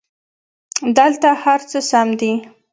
دلته هرڅه سم دي